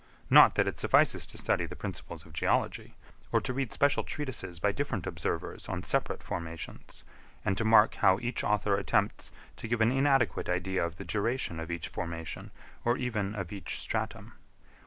Not that it suffices to study the Principles of Geology, or to read special treatises by different observers on separate formations, and to mark how each author attempts to give an inadequate idea of the duration of each formation, or even of each stratum.